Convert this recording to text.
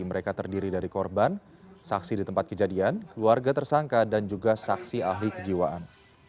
mereka terdiri dari korban saksi di tempat kejadian keluarga tersangka dan juga saksi ahli kejiwaan